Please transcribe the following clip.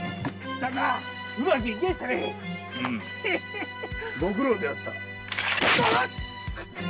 ご苦労であった。